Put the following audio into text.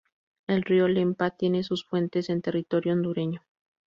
El río Lempa tiene sus fuentes en territorio hondureño.